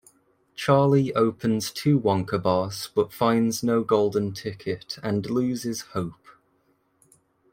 Charlie opens two Wonka Bars but finds no Golden Ticket and loses hope.